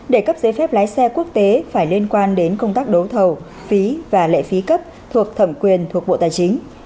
để cấp giấy phép lái xe quốc tế phải liên quan đến công tác đấu thầu phí và lệ phí cấp thuộc thẩm quyền thuộc bộ tài chính